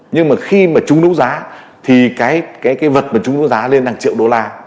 nhưng mà khi mà trúng đấu giá thì cái vật mà trúng đấu giá lên là một triệu đô la